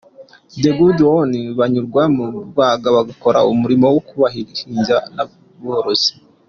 The Good Ones banyurwa n’umwuga bakora urimo kuba abahinzi borozi.